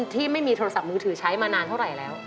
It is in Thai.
ที่ไม่มีโทรศัพท์มือถือใช้มานานเท่าไหร่แล้ว